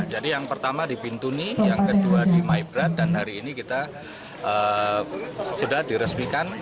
jadi yang pertama di pintuni yang kedua di maibrat dan hari ini kita sudah diresmikan